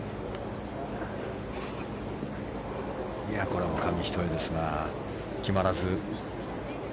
これも紙一重ですが決まらず。